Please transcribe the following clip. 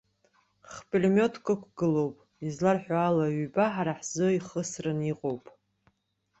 Х-пулемиотк ықәгылоуп, изларҳәо ала ҩба ҳара ҳзы ихысраны иҟоуп.